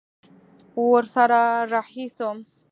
ورسره رهي سوم.